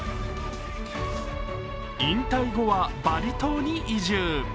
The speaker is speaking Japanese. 引退後はバリ島に移住。